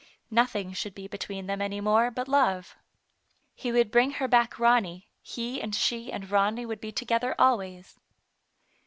Nothing should be between them any more, but love. He would bring her back Ronny> he and she and Ronny would be together always.